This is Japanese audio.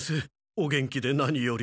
お元気でなにより。